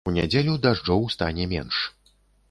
У нядзелю дажджоў стане менш.